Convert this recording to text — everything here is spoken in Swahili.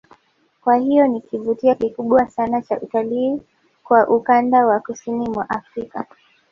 Kwa hiyo ni kivutio kikubwa sana cha utalii kwa ukanda wa kusini mwa Afrika